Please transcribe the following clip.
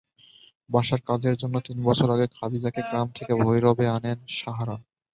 বাসার কাজের জন্য তিন বছর আগে খাদিজাকে গ্রাম থেকে ভৈরবে আনেন সাহারা।